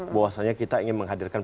bahwasanya kita ingin menghadirkan